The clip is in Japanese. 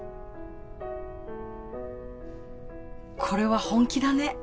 これは本気だね。